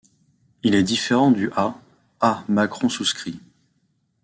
Il est différent du A̱, A macron souscrit.